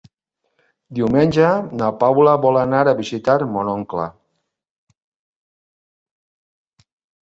Diumenge na Paula vol anar a visitar mon oncle.